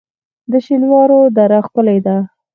د شینوارو دره ښکلې ده